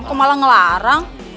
aku malah ngelarang